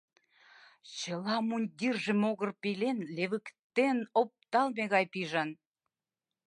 Чыла мундирже могыр пелен левыктен опталме гай пижын.